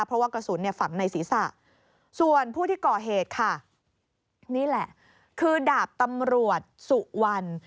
เพราะว่ากระสุนเนี่ยฝังในศีรษะส่วนผู้ที่ก่อเหตุค่ะนี่แหละคือดาบตำรวจสุวรรณ